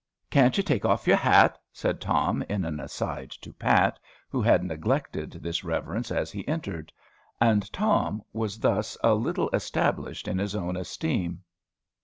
"Can't ye take off your hat?" said Tom, in an aside to Pat, who had neglected this reverence as he entered. And Tom was thus a little established in his own esteem.